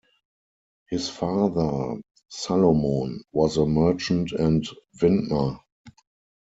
His father, Salomon, was a merchant and vintner.